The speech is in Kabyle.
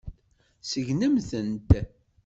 Segnemt-tent.